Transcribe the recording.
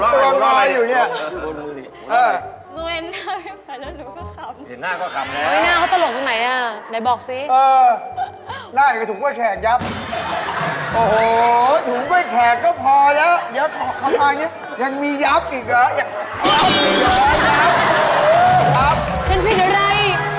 ครับฉันผิดอะไร